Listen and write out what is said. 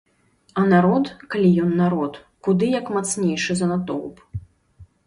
А народ, калі ён народ, куды як мацнейшы за натоўп.